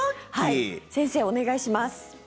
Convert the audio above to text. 先生、お願いします。